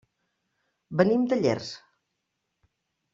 Venim de Llers.